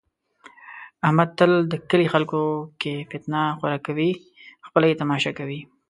احمد تل د کلي خلکو کې فتنه خوره کوي، خپله یې تماشا کوي.